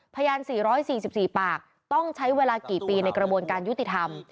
พยาน๔๔ปากต้องใช้เวลากี่ปีในกระบวนการยุติธรรม